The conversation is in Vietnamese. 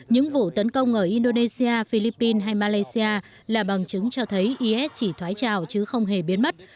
những vụ tấn công ở indonesia philippines hay malaysia là bằng chứng cho thấy is chỉ thoái trào chứ không hề biến mất